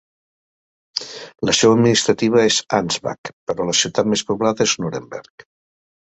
La seu administrativa és Ansbach, però la ciutat més poblada és Nuremberg.